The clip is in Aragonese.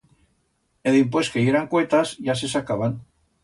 E dimpués que yeran cuetas, ya se sacaban.